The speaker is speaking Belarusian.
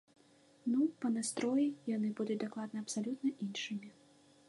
Ну, па настроі яны будуць дакладна абсалютна іншымі.